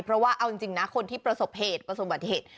เพราะว่าเอาจริงนะคนที่ประสบเหตุประสบบัติเหตุ